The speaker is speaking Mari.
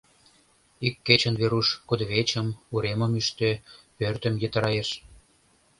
Ик кечын Веруш кудывечым, уремым ӱштӧ, пӧртым йытырайыш.